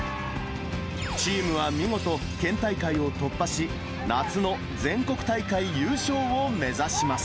チームは見事、県大会を突破し、夏の全国大会優勝を目指します。